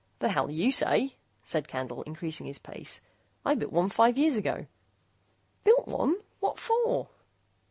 "The hell you say," said Candle, increasing his pace, "I built one five years ago." "Built one! What for?"